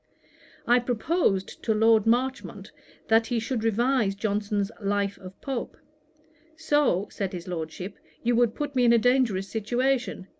I proposed to Lord Marchmont that he should revise Johnson's Life of Pope: 'So (said his Lordship) you would put me in a dangerous situation.